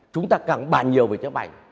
chúng ta càng bàn nhiều về chế bảy